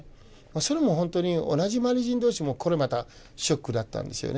それもほんとに同じマリ人同士もこれまたショックだったんですよね。